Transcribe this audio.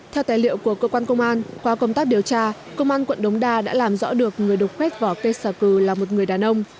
theo tài liệu của cơ quan công an qua công tác điều tra công an quận đống đa đã làm rõ được người độc khuét vỏ cây xà cừ là một người đàn ông